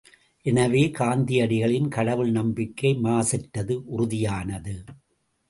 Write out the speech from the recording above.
எனவே காந்தியடிகளின் கடவுள் நம்பிக்கை மாசற்றது உறுதியானது.